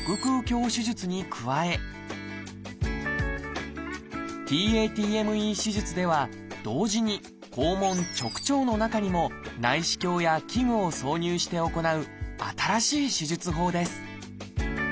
手術に加えＴａＴＭＥ手術では同時に肛門直腸の中にも内視鏡や器具を挿入して行う新しい手術法です。